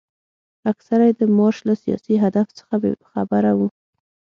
اکثره یې د مارش له سیاسي هدف څخه بې خبره وو.